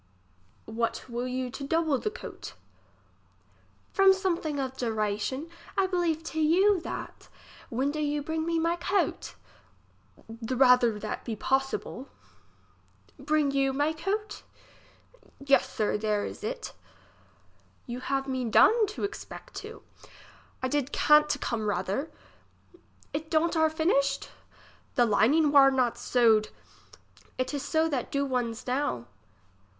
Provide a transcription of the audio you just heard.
What will you to double the coat ? From some thing of duration. I believe to you that English as she is spoke. 29 When do you bring me my coat ? The rather that be possible. Bring you my coat? Yes, sir, there is it You have me done to expect too. I did can't to come rather. It don't are finished ? The lining war not scwd. It is so that do one's now.